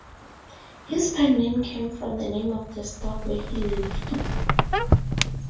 His pen-name came from the name of the store where he lived.